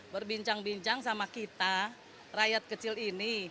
berbincang bincang sama kita rakyat kecil ini